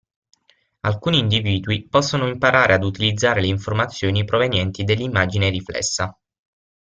Alcuni individui possono imparare ad utilizzare le informazioni provenienti dell'immagine riflessa.